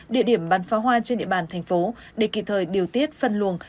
địa điểm bắn phá hoa trên địa bàn thành phố để kịp thời điều tiết phân luồng